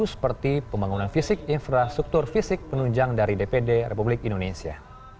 seperti pembangunan fisik infrastruktur fisik penunjang dari dpd republik indonesia